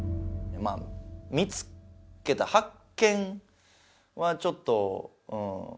まあ見つけた発見はちょっとうん。